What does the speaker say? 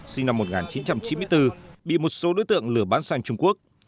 sinh năm một nghìn chín trăm chín mươi bốn bị một số đối tượng lửa bán sang trung quốc